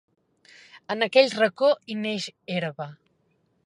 En aquell racó, hi neix herba.